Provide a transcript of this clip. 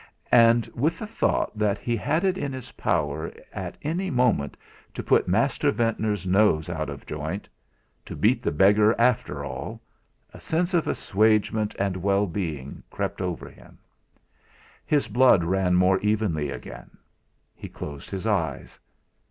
And with the thought that he had it in his power at any moment to put Master Ventnor's nose out of joint to beat the beggar after all, a sense of assuagement and well being crept over him. His blood ran more evenly again. He closed his eyes.